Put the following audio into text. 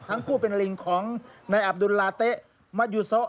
ทั้งคู่เป็นลิงของนายอับดุลลาเต๊ะมัสยูโซะ